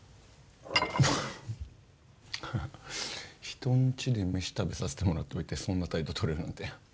人んちで飯食べさせてもらっておいてそんな態度とれるなんて。